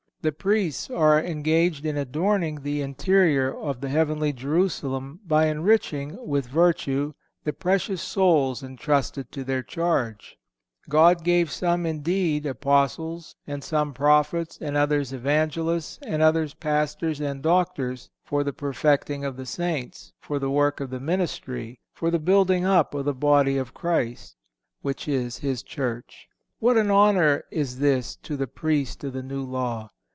The Priests are engaged in adorning the interior of the heavenly Jerusalem by enriching, with virtue, the precious souls entrusted to their charge. "God gave some, indeed, Apostles, and some Prophets, and others Evangelists, and others Pastors and Doctors, for the perfecting of the saints, for the work of the ministry, for the building up of the body of Christ,"(503) which is His Church. What an honor is this to the Priest of the New Law!